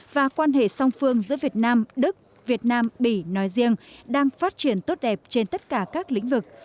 và quan hệ song phương giữa việt nam đức việt nam bỉ nói riêng đang phát triển tốt đẹp trên tất cả các lĩnh vực